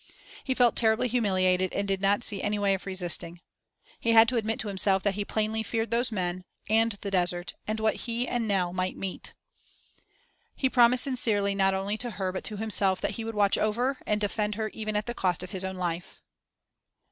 He felt terribly humiliated and did not see any way of resisting. He had to admit to himself that he plainly feared those men and the desert, and what he and Nell might meet. He promised sincerely not only to her but to himself that he would watch over and defend her even at the cost of his own life.